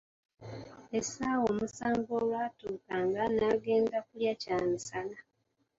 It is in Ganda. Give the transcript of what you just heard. Essaawa omusanvu olwatuukanga, ng'agenda kulya kyamisana.